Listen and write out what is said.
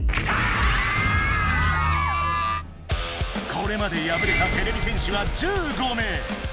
これまでやぶれたてれび戦士は１５名。